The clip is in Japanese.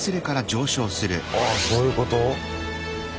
あそういうこと？